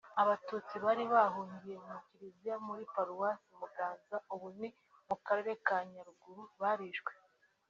Abatutsi bari bahungiye mu Kiliziya muri paruwasi Muganza (ubu ni mu karere ka Nyaruguru) barishwe